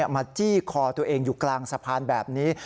จี้คอตัวเองอยู่กลางสะพานแบบนี้